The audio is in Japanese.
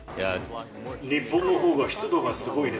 日本のほうが湿度がすごいね。